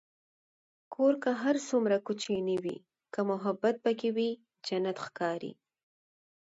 کور که هر څومره کوچنی وي، که محبت پکې وي، جنت ښکاري.